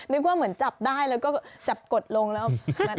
นึกว่าเหมือนจับได้แล้วก็จับกดลงแล้ว